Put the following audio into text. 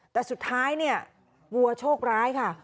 แต่สุดท้ายเนี่ยวัวโชคร้ายค่ะ